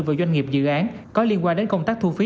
và doanh nghiệp dự án có liên quan đến công tác thu phí